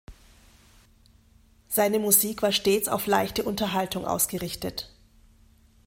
Seine Musik war stets auf leichte Unterhaltung ausgerichtet.